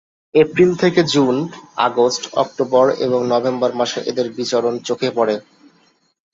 April থেকে June, August, October এবং November মাসে এদের বিচরণ চোখে পড়ে।